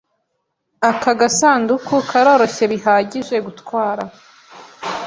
Aka gasanduku karoroshye bihagije gutwara.